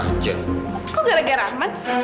kok gara gara arman